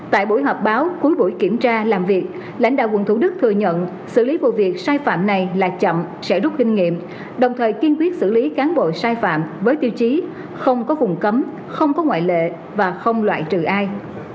tại buổi họp báo cuối buổi kiểm tra làm việc lãnh đạo quận thủ đức thừa nhận xử lý vụ việc sai phạm này là chậm sẽ rút kinh nghiệm đồng thời kiên quyết xử lý cán bộ sai phạm với tiêu chí không có vùng cấm không có ngoại lệ và không loại trừ ai